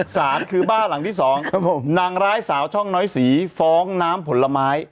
สารคือบ้านหลังที่๒ครับผมนางร้ายสาวช่องน้อยสีฟ้องน้ำผลไม้